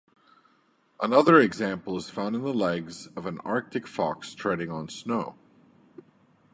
Another example is found in the legs of an Arctic fox treading on snow.